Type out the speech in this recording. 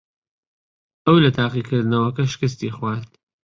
ئەو لە تاقیکردنەوەکە شکستی خوارد.